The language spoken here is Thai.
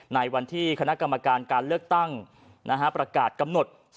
ในวันที่คณะกรรมการการเลือกตั้งประกาศกำหนด